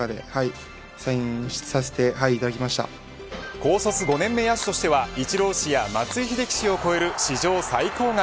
高卒５年目野手としてはイチロー氏や松井秀喜氏を超える史上最高額